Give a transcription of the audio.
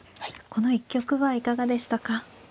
この一局はいかがでしたか。